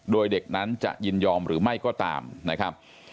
โดยเด็กนั้นจะยินยอมหรือไม่ก็ตามนะครับ